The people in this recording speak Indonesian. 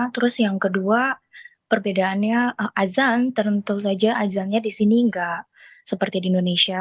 terus yang kedua perbedaannya azan tentu saja azannya di sini nggak seperti di indonesia